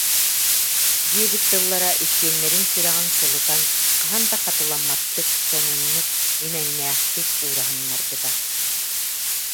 диэбит тыллара иккиэннэрин сүрэҕин сылытан хаһан да хатыламматтык, сонуннук, имэҥнээхтик уураһыннарбыта